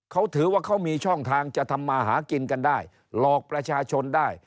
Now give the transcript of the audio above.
เขาถือว่าเขามีช่องทางจะทำมาหากินกันได้หลอกประชาชนได้